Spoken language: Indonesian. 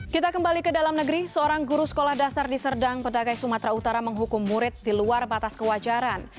kita kembali ke dalam negeri seorang guru sekolah dasar di serdang bedagai sumatera utara menghukum murid di luar batas kewajaran